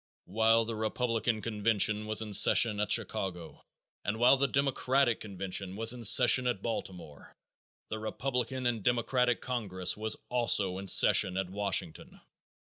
_ While the Republican convention was in session at Chicago and while the Democratic convention was in session at Baltimore, the Republican and Democratic congress was also in session at Washington.